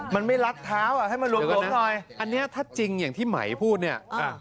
มันไม่รัดเท้าอ่ะให้มารวมผมหน่อยอันนี้ถ้าจริงอย่างที่ไหมพูดเนี่ย